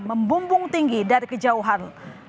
membumbung tinggi dari kejauhan